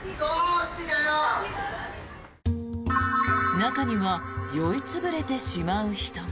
中には酔い潰れてしまう人も。